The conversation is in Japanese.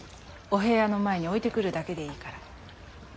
お部屋の前に置いてくるだけでいいから。